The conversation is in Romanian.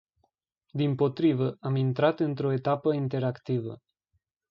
Dimpotrivă, am intrat într-o etapă interactivă.